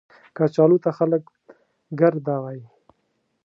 کچالو ته خلک ګرده وايي